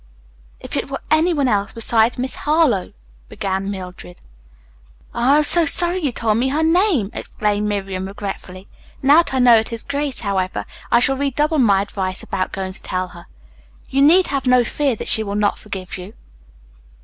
"If it were any one else besides Miss Harlowe," began Mildred. "Oh, I am so sorry you told me her name!" exclaimed Miriam regretfully. "Now that I know it is Grace, however, I shall redouble my advice about going to her. You need have no fear that she will not forgive you.